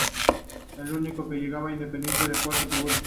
El "Prinz Eugen" es el único que llega indemne a puerto seguro.